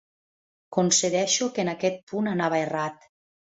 Concedeixo que en aquest punt anava errat.